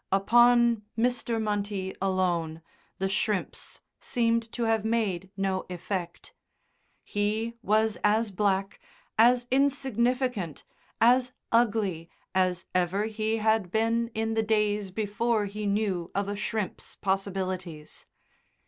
Upon Mr. Munty alone the shrimps seemed to have made no effect. He was as black, as insignificant, as ugly as ever he had been in the days before he knew of a shrimp's possibilities.